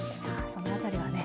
その辺りはね